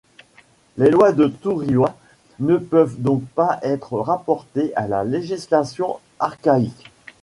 Les lois de Thourioi ne peuvent donc pas être rapportées à la législation archaïque.